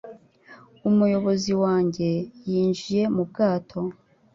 Umuyobozi wanjye yinjiye mu bwato